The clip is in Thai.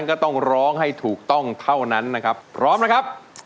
ค่ะค่ะค่ะค่ะ